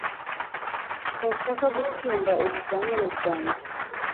sinshaka gutsinda ibizamini byanjye